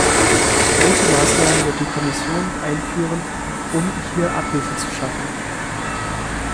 Welche Maßnahmen wird die Kommission einführen, um hier Abhilfe zu schaffen?